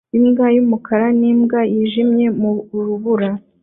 Imbwa y'umukara n'imbwa yijimye mu rubura